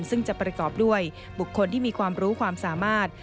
ซึ่งจะประกอบด้วยบุคคลที่มีความรู้ความสามารถ